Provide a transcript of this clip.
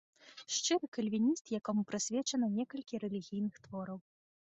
Шчыры кальвініст, якому прысвечана некалькі рэлігійных твораў.